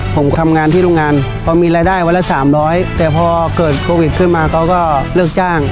ผมทำงานที่โรงงานพอมีรายได้วันละสามร้อยแต่พอเกิดโควิดขึ้นมาเขาก็เลิกจ้าง